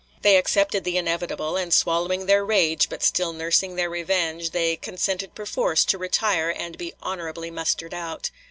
They accepted the inevitable; and swallowing their rage but still nursing their revenge, they consented perforce to retire and be "honorably" mustered out.